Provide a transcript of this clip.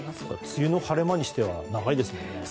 梅雨の晴れ間にしては長いですよね。